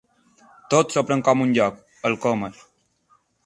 Tot s'ho pren com un joc, el Comas.